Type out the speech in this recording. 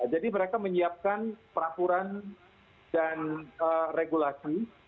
jadi mereka menyiapkan peraturan dan regulasi